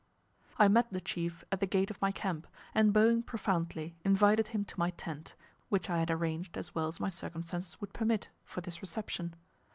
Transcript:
I met the chief at the gate of my camp, and bowing profoundly, invited him to my tent, which I had arranged as well as my circumstances would permit, for this reception.